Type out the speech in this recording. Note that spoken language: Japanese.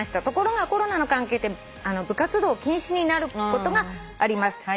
「ところがコロナの関係で部活動禁止になることがあります」